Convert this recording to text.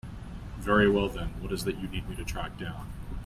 Very well then, what is it that you need me to track down?